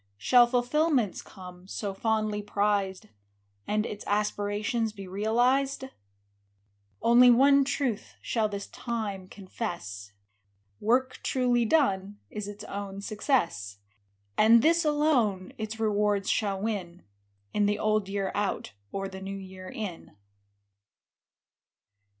Shall fulfilments come, — so fondly prized, — And its aspirations be realized ? Only one truth shall this Time confess, — Work truly done is its own success ! And this alone its rewards shall win. In the old year out, or the new year in.